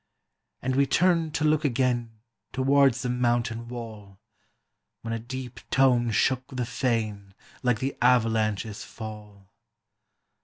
And we turned to look again Towards the mountain wall, When a deep tone shook the fane, Like the avalanche's fall.